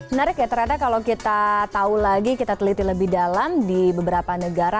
menarik ya ternyata kalau kita tahu lagi kita teliti lebih dalam di beberapa negara